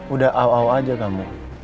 udah aw aw aja kamu